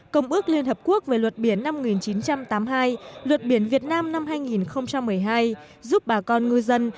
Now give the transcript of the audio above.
công ước liên hợp quốc về luật biển năm một nghìn chín trăm tám mươi hai luật biển việt nam năm hai nghìn một mươi hai giúp bà con ngư dân